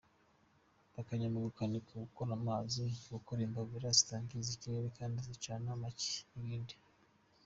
Bakajya mu gukanika, gukora amazi, gukora imbabura zitangiza ikirere kandi zicana make n’ibindi”.